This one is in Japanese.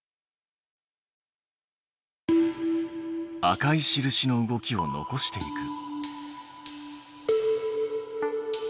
赤い印の動きを残していく。